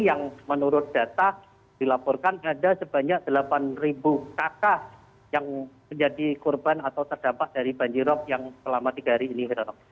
yang menurut data dilaporkan ada sebanyak delapan kakak yang menjadi korban atau terdampak dari banjirop yang selama tiga hari ini